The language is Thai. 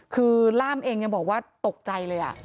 คือล่ามเองยังบอกว่าตกใจเลย